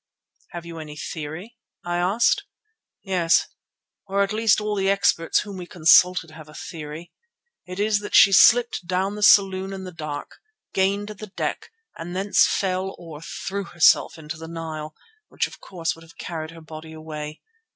"Have you any theory?" I asked. "Yes, or at least all the experts whom we consulted have a theory. It is that she slipped down the saloon in the dark, gained the deck and thence fell or threw herself into the Nile, which of course would have carried her body away.